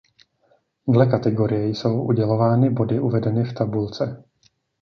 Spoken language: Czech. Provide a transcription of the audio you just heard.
Dle kategorie jsou udělovány body uvedeny v tabulce.